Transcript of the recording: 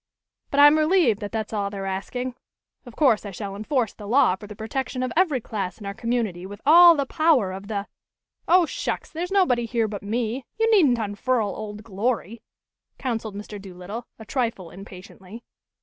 But I'm relieved that that's all they're asking. Of course, I shall enforce the law for the protection of every class in our community with all the power of the " "Oh, shucks! There's nobody here but me you needn't unfurl Old Glory," counseled Mr. Doolittle, a trifle impatiently.